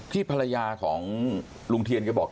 ภรรยาของลุงเทียนก็บอก